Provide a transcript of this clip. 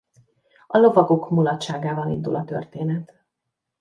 A lovagok mulatságával indul a történet.